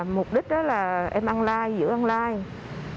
mục đích là em ăn like giữ ăn like